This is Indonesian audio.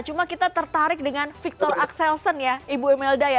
cuma kita tertarik dengan victor axelsen ya ibu imelda ya